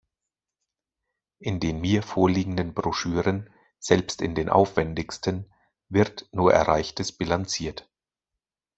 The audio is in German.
In den mir vorliegenden Broschüren, selbst in den aufwendigsten, wird nur Erreichtes bilanziert.